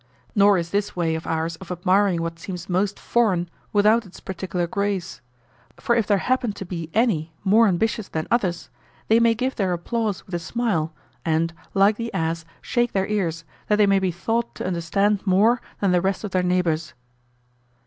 Nor is this way of ours of admiring what seems most foreign without its particular grace; for if there happen to be any more ambitious than others, they may give their applause with a smile, and, like the ass, shake their ears, that they may be thought to understand more than the rest of their neighbors.